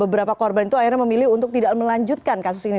beberapa korban itu akhirnya memilih untuk tidak melanjutkan kasus ini